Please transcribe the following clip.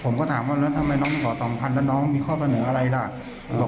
ไม่มีไม่มีครับ